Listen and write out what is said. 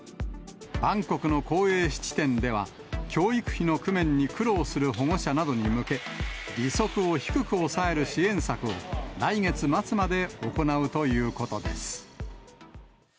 バンコクの公営質店では、教育費の工面に苦労する保護者などに向け、利息を低く抑える支援策を、来月末まで行うということです。